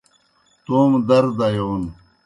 توموْ در دیون